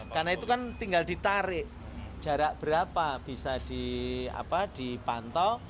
karena itu kan tinggal ditarik jarak berapa bisa dipantau